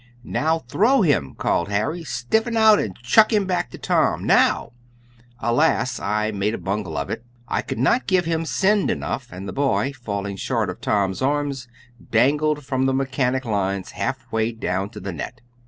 "Now, throw him!" called Harry. "Stiffen out and chuck him back to Tom. Now!" Alas! I made a bungle of it. I could not give him send enough, and the boy, falling short of Tom's arms, dangled from the "mechanic" lines half way down to the net.